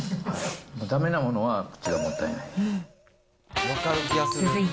だめなものは口がもったいない。